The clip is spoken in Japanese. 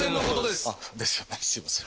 すみません